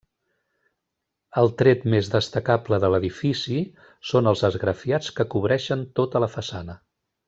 El tret més destacable de l'edifici són els esgrafiats que cobreixen tota la façana.